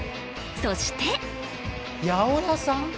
そして八百屋さん？